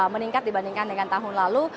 meningkat dibandingkan dengan tahun lalu